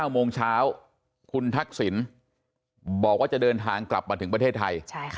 ๙โมงเช้าคุณทักษิณบอกว่าจะเดินทางกลับมาถึงประเทศไทย